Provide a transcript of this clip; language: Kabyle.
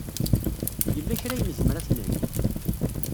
Yella kra ay nezmer ad t-neg?